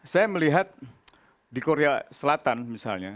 saya melihat di korea selatan misalnya